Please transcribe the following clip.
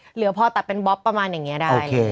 เหลือพอตัดเป็นบ๊อบประมาณอย่างนี้ได้